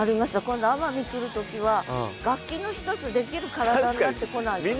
今度奄美来る時は楽器の一つできる体になってこないとね。